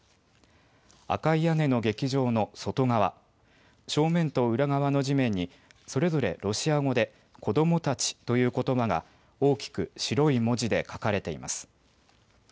赤い屋根の劇場の外側、正面と裏側の地面にそれぞれロシア語で子どもたちということばが大きく白い文字で書かれています。